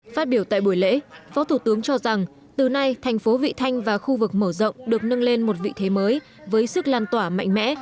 phát biểu tại buổi lễ phó thủ tướng cho rằng từ nay thành phố vị thanh và khu vực mở rộng được nâng lên một vị thế mới với sức lan tỏa mạnh mẽ